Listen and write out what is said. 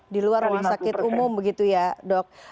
di luar rumah sakit umum begitu ya dok